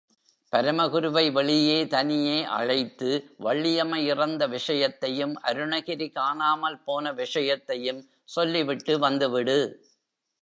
பரமகுருவை வெளியே தனியே அழைத்து வள்ளியம்மை இறந்த விஷயத்தையும், அருணகிரி காணாமல் போன விஷயத்தையும் சொல்லிவிட்டு வந்து விடு.